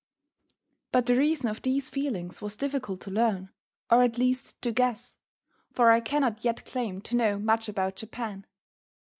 But the reason of these feelings was difficult to learn, or at least to guess; for I cannot yet claim to know much about Japan